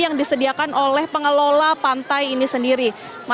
yang disediakan oleh pengelola pantai ini sendiri